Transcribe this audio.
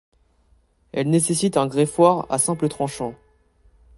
Elle nécessite un greffoir à simple tranchant.